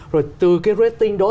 rồi từ cái rating đó